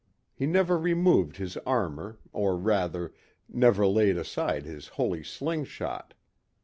He never removed his armor or rather, never laid aside his holy slingshot.